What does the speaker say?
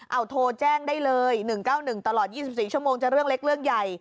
เอาโทรแจ้งได้เลย๑๙๑ตลอด๒๔ชั่วโมงจะเรื่องเล็กเรื่องใหญ่